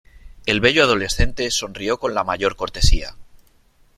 el bello adolescente sonrió con la mayor cortesía :